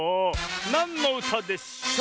なんのうたでしょう？